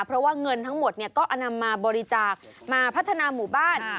เพราะว่าเงินทั้งหมดก็นำมาบริจาคมาพัฒนาหมู่บ้าน